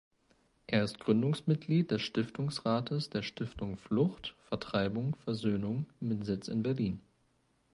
Er ist Gründungsmitglied des Stiftungsrates der Stiftung Flucht, Vertreibung, Versöhnung mit Sitz in Berlin.